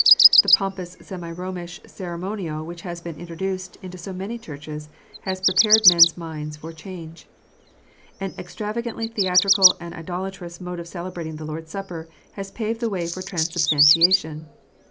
The pompous semi Romish ceremonial which has been introduced into many churches, has prepared men s minds for changes. An extravagantly theatrical and idolatrous mode of celebrating the Lord s Supper has paved the way for transubstantiation.